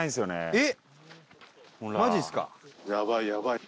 えっ！